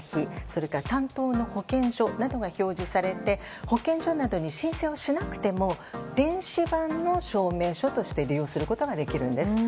それから担当の保健所などが表示されて保健所などに申請をしなくても電子版の証明書として利用することができるんです。